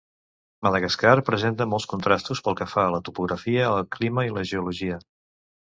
Madagascar presenta molts contrastos pel que fa a la topografia, el clima i la geologia.